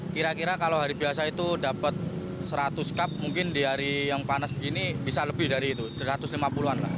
kira kira kalau hari biasa itu dapat seratus cup mungkin di hari yang panas begini bisa lebih dari itu satu ratus lima puluh an lah